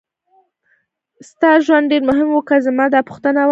ستا ژوند ډېر مهم و که زما دا پوښتنه وه.